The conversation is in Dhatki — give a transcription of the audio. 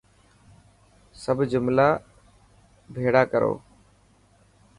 سب جملا ڀيٿڙا ڪرو.